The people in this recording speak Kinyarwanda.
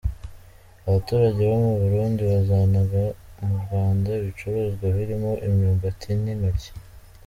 Abaturage bo mu Burundi bazanaga mu Rwanda ibicuruzwa birimo imyumbati n’intoryi.